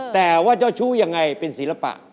แต่ว่าเจ้าชู้ยังไงเป็นศิลปะ